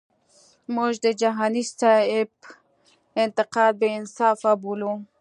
مونږ د جهانی سیب انتقاد بی انصافه بولو.